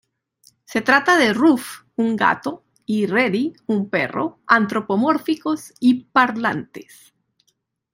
Se trata de Ruff, un gato y Reddy, un perro, antropomórficos y parlantes.